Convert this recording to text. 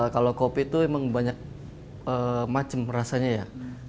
kalau kopi itu memang banyak macam rasanya ya